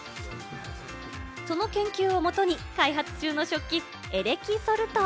その研究を基に開発中の食器エレキソルト。